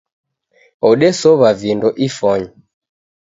Odesow'a vindo ifonyi